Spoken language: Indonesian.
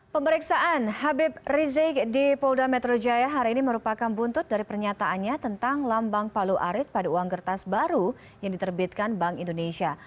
pemeriksaan habib rizik di polda metro jaya hari ini merupakan buntut dari pernyataannya tentang lambang palu arit pada uang kertas baru yang diterbitkan bank indonesia